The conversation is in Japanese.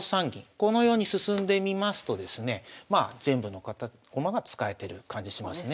このように進んでみますとですね全部の駒が使えてる感じしますね。